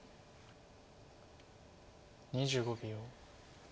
２５秒。